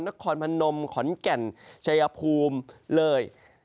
นครพนมขอนแก่นชัยภูมิเลย